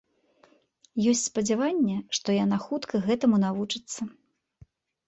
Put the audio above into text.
Ёсць спадзяванне, што яна хутка гэтаму навучыцца.